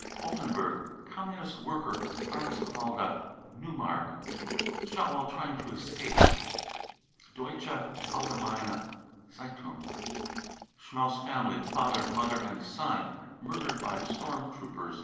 altenburg, Communist worker, Arnswalde, Neumark, I skot " while trying to escape." (Deutsche Allgemeine Z eitun ^)! sghmaus family, father, mother and son, murdered by storm 1 troopers.